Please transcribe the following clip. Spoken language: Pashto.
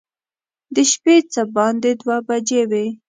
د شپې څه باندې دوه بجې وې.